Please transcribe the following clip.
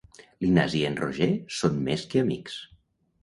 L'Ignasi i en Roger són més que amics.